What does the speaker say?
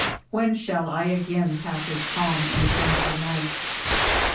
When shall I again pass a calm and tranquil night?